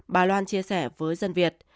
bà loan chia sẻ với dân việt